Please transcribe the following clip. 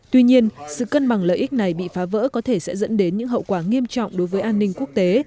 tuy nhiên sự cân bằng lợi ích này bị phá vỡ có thể sẽ dẫn đến những hậu quả nghiêm trọng đối với an ninh quốc tế